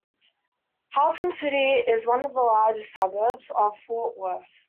Haltom city is one of the largest suburbs of Fort Worth.